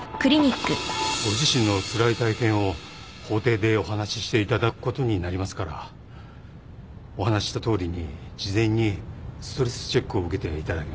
ご自身のつらい体験を法廷でお話ししていただくことになりますからお話ししたとおりに事前にストレスチェックを受けていただきます。